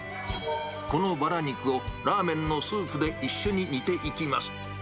このバラ肉を、ラーメンのスープで一緒に煮ていきます。